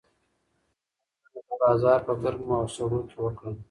زده کړه مې د بازار په ګرمو او سړو کې وکړه.